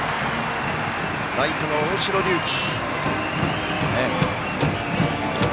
ライトの大城龍紀。